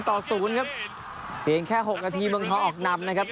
๑ต่อ๐ครับเพียงแค่๖นาทีเบื้องท้อออกนำนะครับ